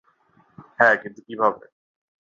হ্যাঁ, কিন্তু কীভাবে?